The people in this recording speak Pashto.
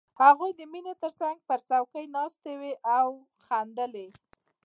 هغوی د مينې تر څنګ پر څوکۍ ناستې وې او خندلې